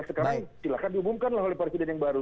sekarang silahkan diumumkan lah oleh presiden yang baru